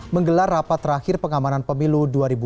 menggelar rapat terakhir pengamanan pemilu dua ribu sembilan belas